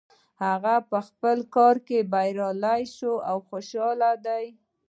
هغه په خپل کار کې بریالی شو او خوشحاله ده